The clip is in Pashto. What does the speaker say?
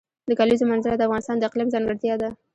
د کلیزو منظره د افغانستان د اقلیم ځانګړتیا ده.